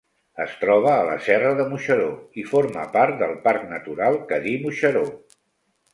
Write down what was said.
Es troba a la serra de Moixeró i forma part del Parc Natural Cadí-Moixeró.